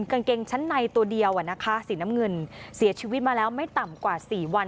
กางเกงชั้นในตัวเดียวอ่ะนะคะสีน้ำเงินเสียชีวิตมาแล้วไม่ต่ำกว่าสี่วัน